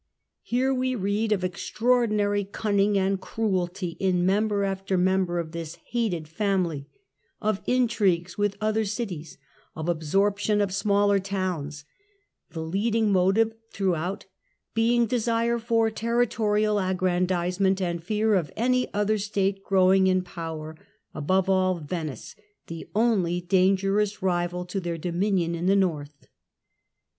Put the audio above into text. Here we read 181 182 THE END OF THE MIDDLE AGE of extraordinary cunning and cruelty in member after member of this hated family, of intrigues with other cities, of absorption of smaller towns ; the leading mo tive throughout being desire for territorial aggrandise ment, and fear of any other State growing in power, above all Venice, the only dangerous rival to their dominion in the North.